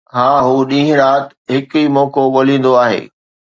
ها، هو ڏينهن رات هڪ ئي موقعو ڳوليندو آهي